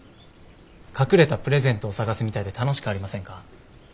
隠れたプレゼントを探すみたいで楽しくありませんか？